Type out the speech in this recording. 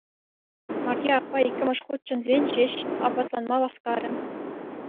Марье аппа иккӗмӗш хут чӗнсен ҫеҫ апатланма васкарӗ.